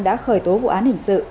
đã khởi tố vụ án hình sự